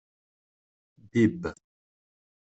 Bibb.